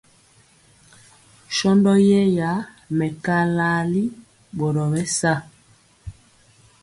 Shɔndɔ yɛra mɛkaa laali ɓɔri bɛ sa.